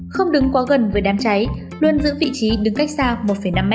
không đứng qua gần với đám cháy luôn giữ vị trí đứng cách xa một năm m